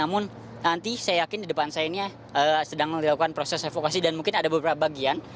namun nanti saya yakin di depan saya ini sedang dilakukan proses evakuasi dan mungkin ada beberapa bagian